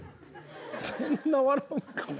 そんな笑うかな？